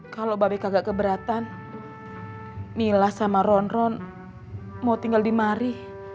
kalau babe kagak keberatan mila sama ron ron mau tinggal di mari